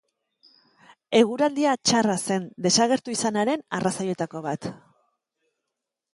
Eguraldia txarra zen desagertu izanaren arrazoietako bat.